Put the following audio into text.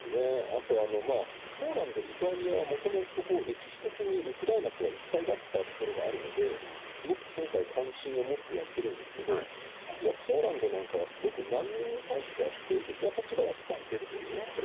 あと、ポーランド、リトアニア、もともと歴史的に、ウクライナとは一体だったところがあるので、すごく今回、関心を持ってやってるんですけど、実はポーランドなんかは、すごく難民に対しては否定的な立場だったんですよね。